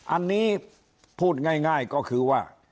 อันนี้พูดง่ายก็คือว่า